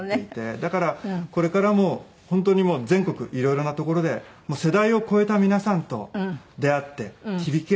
だからこれからも本当に全国色々な所で世代を超えた皆さんと出会って響き合っていきたいです。